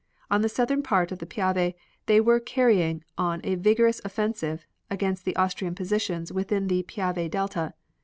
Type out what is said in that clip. On the southern part of the Piave front they were carrying on a vigorous offensive against the Austrian positions within the Piave delta.